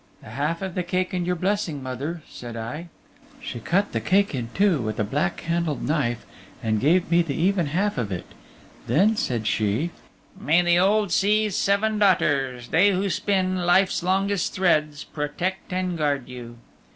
"The half of the cake and your blessing, mother," said I. She cut the cake in two with a black handled knife and gave me the even half of it. Then said she: May the old sea's Seven Daughters They who spin Life's longest threads, Protect and guard you!